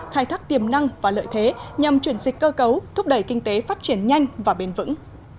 khai thác tiềm năng và lợi thế nhằm chuyển dịch cơ cấu thúc đẩy kinh tế phát triển nhanh và bền vững